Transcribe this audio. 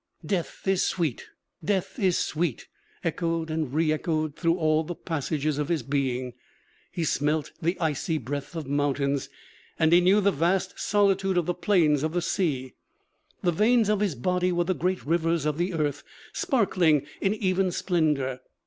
'Death is sweet! Death is sweet!' echoed and reëchoed through all the passages of his being. He smelt the icy breath of mountains, and he knew the vast solitude of the plains of the sea. The veins of his body were the great rivers of the earth, sparkling in even splendor.